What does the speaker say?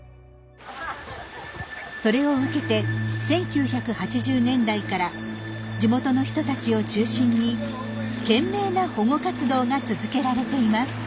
それを受けて１９８０年代から地元の人たちを中心に懸命な保護活動が続けられています。